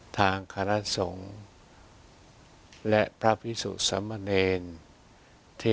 ทางคณะสงค์และพระพิสุสำเนญที่ได้รับทุนเล่าเรียนหลวงสำหรับประสงค์ไทย